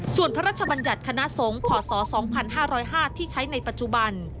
ส่วนพระราชบัญญัติคณะสงฆ์พศ๒๕๐๕ที่ใช้ในปัจจุบัน